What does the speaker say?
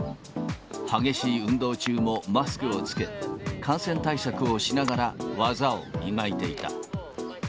激しい運動中もマスクを着け、感染対策をしながら、技を磨いていた。